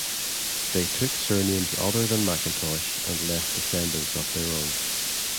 They took surnames other than Mackintosh and left descendants of their own.